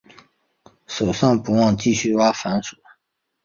手上不忘继续挖番薯